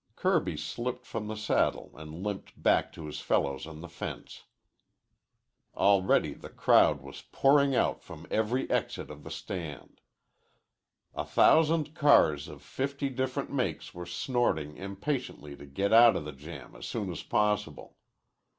Kirby slipped from the saddle and limped back to his fellows on the fence. Already the crowd was pouring out from every exit of the stand. A thousand cars of fifty different makes were snorting impatiently to get out of the jam as soon as possible.